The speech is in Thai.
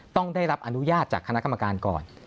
ต้องได้รับอนุญาตจากคณะกรรมการก่อน